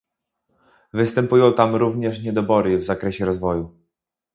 Występują tam również niedobory w zakresie rozwoju